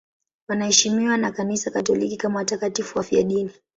Wanaheshimiwa na Kanisa Katoliki kama watakatifu wafiadini.